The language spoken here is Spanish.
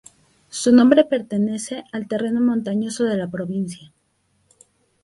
Su nombre pertenece al terreno montañoso de la provincia.